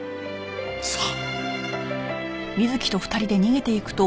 さあ。